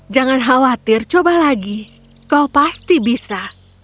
jangan khawatir coba lagi kau pasti bisa